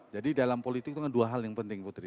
jadi dalam politik itu ada dua hal yang penting putri